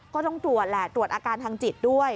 ก็ต้องตรวจแหละตรวจอาการทางจิตด้วย